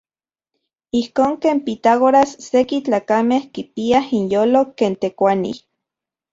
Ijkon ken Pitágoras seki tlakamej kipiaj inyolo ken tekuanij.